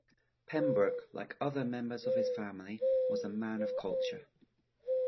Pembroke, like other members of his family, was a man of culture.